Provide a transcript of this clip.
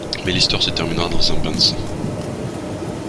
Mais l'histoire se terminera dans un bain de sang.